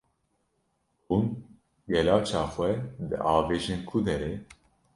Hûn gelaşa xwe diavêjin ku derê?